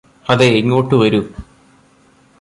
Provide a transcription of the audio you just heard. അതെ ഇങ്ങോട്ട് വരൂ